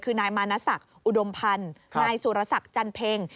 คือนายมาณสักอุดมพันธ์นายสุรสักจันเพงฯ